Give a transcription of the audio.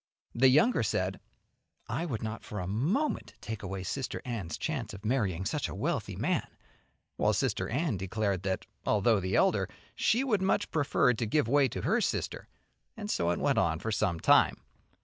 The younger said, "I would not for a moment take away Sister Anne's chance of marrying such a wealthy man," while Sister Anne declared that, although the elder, she would much prefer to give way to her sister. And so it went on for some time.